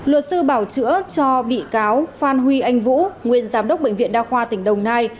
luật sư bảo chữa cho bị cáo phan huy anh vũ nguyên giám đốc bệnh viện đa khoa tỉnh đồng nai